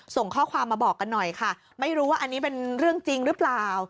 ส่งข้อความมาบอกกันหน่อยค่ะไม่รู้ว่าอันนี้เป็นเรื่องจริงหรือเปล่า